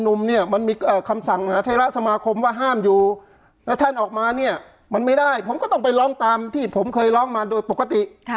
มันมีคำสั่งมหาเทราสมาคมว่าห้ามอยู่แล้วท่านออกมาเนี่ยมันไม่ได้ผมก็ต้องไปร้องตามที่ผมเคยร้องมาโดยปกติ